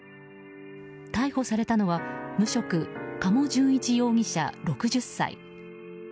逮捕されたのは無職・加茂順一容疑者、６０歳。